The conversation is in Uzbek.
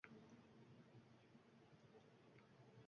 Yoki chimkentlik Qulumetning gaplariga e`tibor bering-a